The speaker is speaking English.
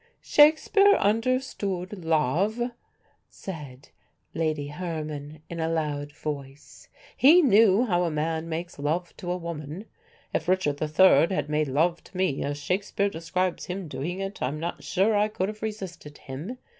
'" "Shakespeare understood love," said Lady Herman, in a loud voice; "he knew how a man makes love to a woman. If Richard III. had made love to me as Shakespeare describes him doing it, I'm not sure that I could have resisted him.